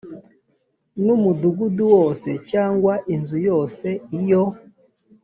n umudugudu wose cyangwa inzu yose iyo